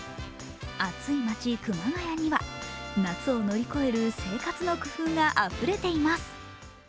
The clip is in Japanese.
暑い街、熊谷には、夏を乗り越える生活の工夫があふれています。